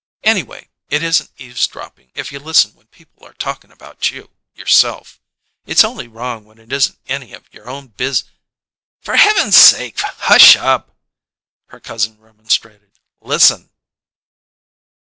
Anyway, it isn't eavesdropping if you listen when people are talkin' about you, yourself. It's only wrong when it isn't any of your own bus " "For Heavenses' sakes hush up!" her cousin remonstrated. "Listen!"